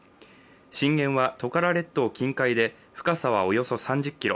震源はトカラ列島近海で深さはおよそ３０ｋｍ。